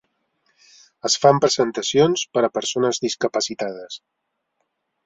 Es fan presentacions per a persones discapacitades.